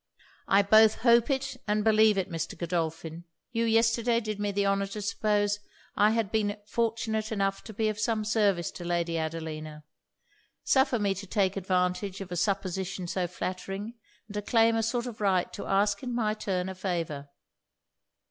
'I both hope it and believe it. Mr. Godolphin, you yesterday did me the honour to suppose I had been fortunate enough to be of some service to Lady Adelina; suffer me to take advantage of a supposition so flattering, and to claim a sort of right to ask in my turn a favour.'